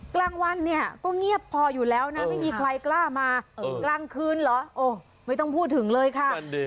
กลางวันเนี่ยก็เงียบพออยู่แล้วนะไม่มีใครกล้ามากลางคืนเหรอโอ้ไม่ต้องพูดถึงเลยค่ะ